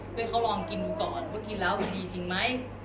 ให้เขาลองกินดูก่อนว่ากินแล้วมันดีจริงไหม